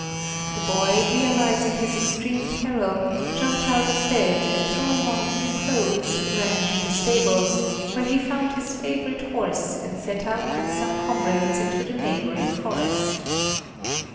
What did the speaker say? The boy, realizing his extreme peril, jumped out of bed, and throwing on a few clothes ran to the stables, where he found his favorite horse and set out with some comrades into the neighboring forest.